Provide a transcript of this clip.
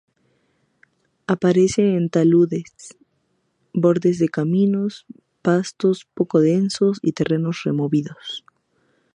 Aparece en taludes, bordes de caminos, pastos poco densos y terrenos removidos.